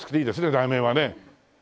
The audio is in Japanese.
題名はね。